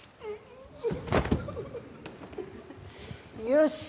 よし。